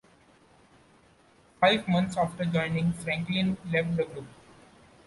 Five months after joining, Franklin left the group.